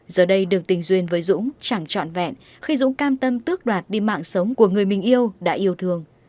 giờ đây đường tình duyên với dũ chẳng trọn vẹn khi dũ cam tâm tước đoạt đi mạng sống của người mình yêu đã yêu thương